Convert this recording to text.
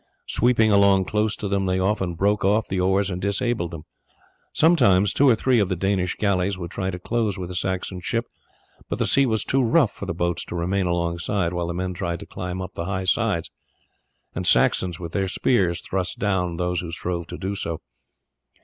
Sweeping along close to them they often broke off the oars and disabled them. Sometimes two or three of the Danish galleys would try to close with a Saxon ship, but the sea was too rough for the boats to remain alongside while the men tried to climb up the high sides, and the Saxons with their spears thrust down those who strove to do so.